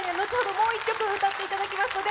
もう１曲歌っていただきますので